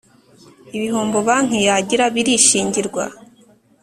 ibihombo banki yagira birishingirwa